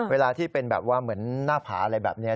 เวลาที่เป็นแบบว่าเหมือนหน้าผาอะไรแบบนี้